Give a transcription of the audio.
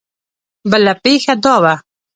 بله پېښه دا وه.